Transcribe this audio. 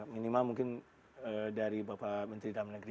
minimal mungkin dari bapak menteri dalam negeri